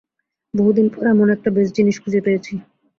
বহুদিন পর এমন একটা বেস্ট জিনিস খুঁজে পেয়েছি।